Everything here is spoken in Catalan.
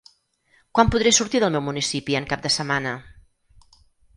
Quan podré sortir del meu municipi en cap de setmana?